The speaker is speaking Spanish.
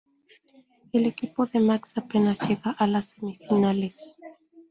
El equipo de Max apenas llega a las semifinales.